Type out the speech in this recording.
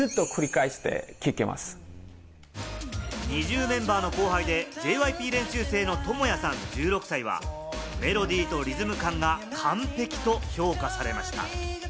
ＮｉｚｉＵメンバーの後輩で、ＪＹＰ練習生のトモヤさん１６歳はメロディーとリズム感が完璧と評価されました。